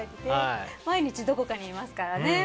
毎日どこかにいますからね。